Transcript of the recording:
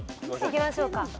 いきましょうか。